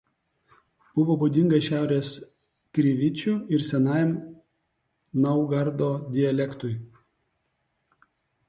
Buvo būdinga šiaurės krivičių ir senajam Naugardo dialektui.